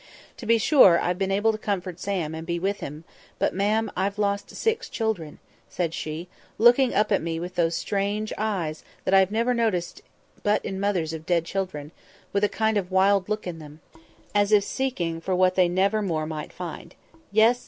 To be sure, I've been able to comfort Sam, and to be with him; but, ma'am, I've lost six children," said she, looking up at me with those strange eyes that I've never noticed but in mothers of dead children—with a kind of wild look in them, as if seeking for what they never more might find. "Yes!